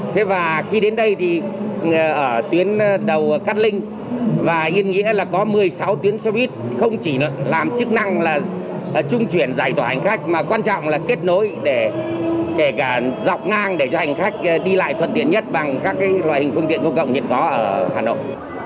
thế và khi đến đây thì ở tuyến đầu cát linh và yên nghĩa là có một mươi sáu tuyến xe buýt không chỉ làm chức năng là trung chuyển giải tỏa hành khách mà quan trọng là kết nối để kể cả dọc ngang để cho hành khách đi lại thuận tiện nhất bằng các loại hình phương tiện công cộng hiện có ở hà nội